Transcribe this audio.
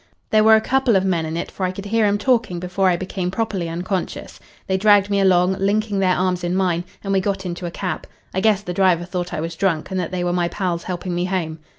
There were a couple of men in it, for I could hear 'em talking before I became properly unconscious. They dragged me along, linking their arms in mine, and we got into a cab. I guess the driver thought I was drunk, and that they were my pals helping me home.